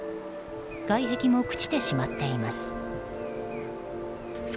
外壁も朽ちてしまっています。